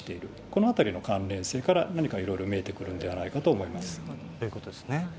このあたりの関連性から何かいろいろ見えてくるんではないかと思そういうことですね。